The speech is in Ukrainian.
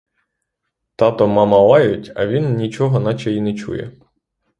Тато, мама лають, а він нічого неначе й не чує.